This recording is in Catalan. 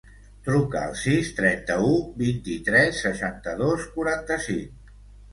Truca al sis, trenta-u, vint-i-tres, seixanta-dos, quaranta-cinc.